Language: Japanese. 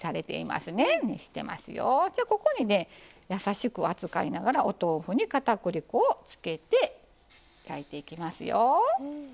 ここにね優しく扱いながらお豆腐に片栗粉をつけて焼いていきますよ。